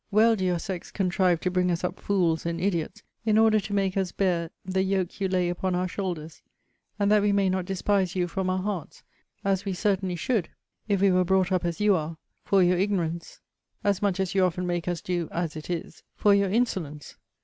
Well do your sex contrive to bring us up fools and idiots, in order to make us bear the yoke you lay upon our shoulders; and that we may not despise you from our hearts, (as we certainly should, if we were brought up as you are,) for your ignorance, as much as you often make us do (as it is) for your insolence.